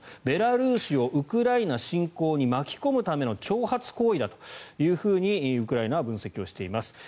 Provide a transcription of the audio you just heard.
ベラルーシをウクライナ侵攻に巻き込むための挑発行為だというふうにウクライナは分析しています。